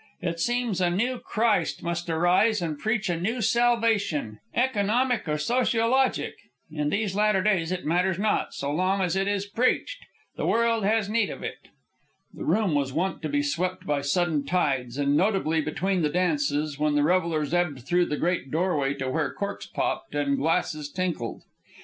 It seems a new Christ must arise and preach a new salvation economic or sociologic in these latter days, it matters not, so long as it is preached. The world has need of it." The room was wont to be swept by sudden tides, and notably between the dances, when the revellers ebbed through the great doorway to where corks popped and glasses tinkled.